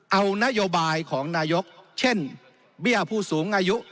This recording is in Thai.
เอานโยบายของนายกเช่นเบี้ยผู้สูงอายุ